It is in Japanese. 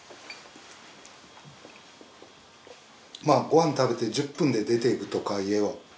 まあご飯食べて１０分で出ていくとか家を。